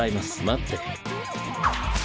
待って。